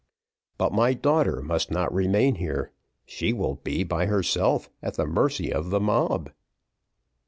"But my daughter must not remain here; she will be by herself, at the mercy of the mob."